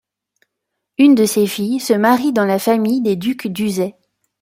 Une de ses filles se marie dans la famille des ducs d'Uzès.